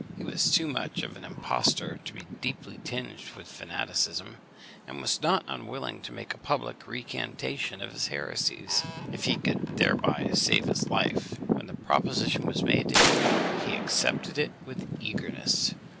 He was too much of an impostor to be deeply tinged with fanaticism, and was not unwilling to make a public recantation of his heresies, if he could thereby save his life. When the proposition was made to him, he accepted it with eagerness.